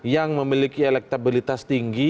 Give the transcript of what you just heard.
yang memiliki elektabilitas tinggi